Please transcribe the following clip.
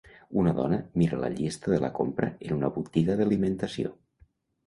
Una dona mira la llista de la compra en una botiga d'alimentació.